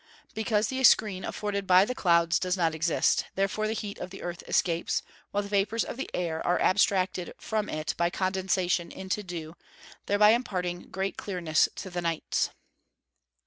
_ Because the "screen" afforded by the clouds does not exist; therefore the heat of the earth escapes, while the vapours of the air are abstracted from it by condensation into dew, thereby imparting great clearness to the nights.